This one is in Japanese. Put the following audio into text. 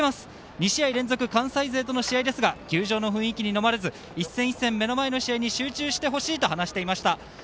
２試合連続関西勢との試合ですが球場の雰囲気にのまれず目の前の試合に集中してほしいと話していました。